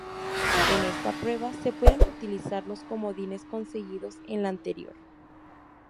En esta prueba se pueden utilizar los comodines conseguidos en la anterior.